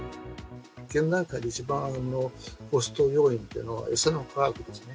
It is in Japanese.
現段階で一番のコスト要因というのは、餌の価格ですね。